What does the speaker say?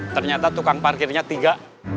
ternyata tukang parkirnya tiga